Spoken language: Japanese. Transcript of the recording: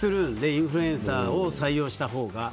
インフルエンサーを採用したほうが。